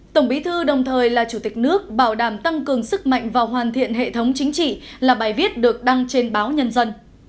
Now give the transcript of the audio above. tổng bí thư đồng thời là chủ tịch nước bảo đảm tăng cường sức mạnh và hoàn thiện hệ thống chính trị là bài viết được đăng trên báo nhân dân